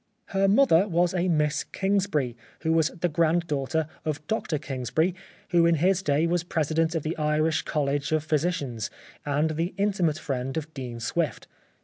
Her mother was a Miss Kingsbury who was the grand daughter of Dr Kingsbury, who in his day was president of the Irish College of Physi cians, and the intimate friend of Dean Swift.